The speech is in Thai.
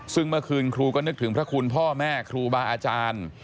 ซึ่งเมื่อคืนครูก็นึกถึงพระคุณพ่อแม่ครูบาอาจารย์